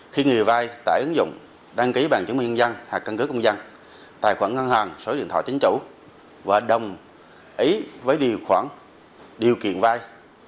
khi người vai tải ứng dụng đăng ký bàn chứng minh nhân dân hoặc căn cứ công dân tài khoản ngân hàng số điện thoại chính chủ và đồng ý với điều kiện vai